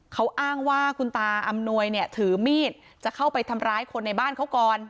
เขาอ้างว่าคุณตาอำนวยเนี่ยถือมีดจะเข้าไปทำร้ายคนในบ้านเขาก่อน